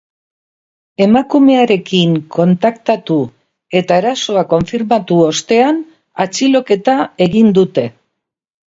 Emakumearekin kontaktatu eta erasoa konfirmatu ostean, atxiloketa egin dute.